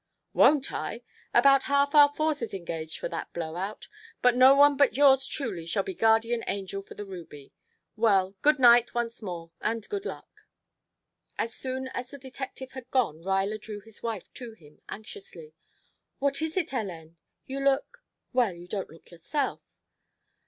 "Won't I? About half our force is engaged for that blow out, but no one but yours truly shall be guardian angel for the ruby. Well, good night once more, and good luck." As soon as the detective had gone Ruyler drew his wife to him anxiously, "What is it, Hélène? You look well, you don't look yourself!"